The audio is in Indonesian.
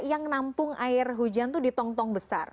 yang nampung air hujan itu di tong tong besar